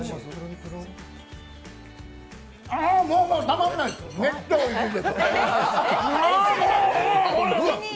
もう、たまんないです、めっちゃおいしいです。